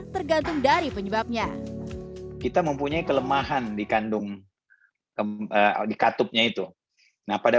bergantung dari penyebabnya kita mempunyai kelemahan di kandung di katupnya itu nah pada